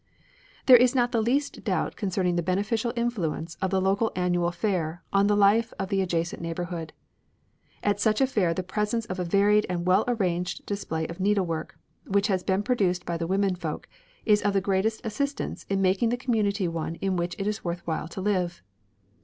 There is not the least doubt concerning the beneficial influence of the local annual fair on the life of the adjacent neighbourhood. At such a fair the presence of a varied and well arranged display of needlework, which has been produced by the womenfolk, is of the greatest assistance in making the community one in which it is worth while to live.